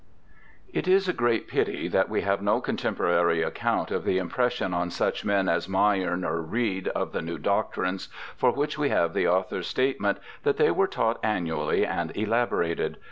It is a great pity that we have no contemporary account of the impression on such men as Mayerne or Reid of the new doctrines, for which we have the author's statement that they were taught annually and elaborated.